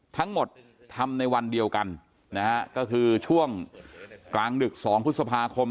ทั้งหมดทำในวันเดียวกันนะฮะก็คือช่วงกลางดึก๒พฤษภาคม